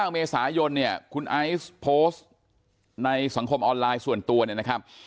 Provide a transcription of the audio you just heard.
๙เมษายนเนี่ยคุณไอซ์โพสต์ในสังคมออนไลน์ส่วนตัวเนี่ยนะครับ